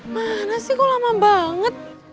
mana sih kok lama banget